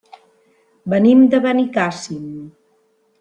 Venim de Benicàssim.